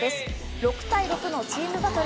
６対６のチームバトル。